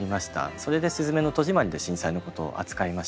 それで「すずめの戸締まり」で震災のことを扱いました。